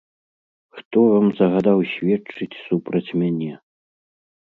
Хто вам загадаў сведчыць супраць мяне?